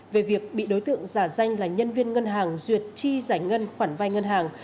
về việc bị đối tượng giả danh là nhân viên ngân hàng duyệt chi giải ngân khoản vai ngân hàng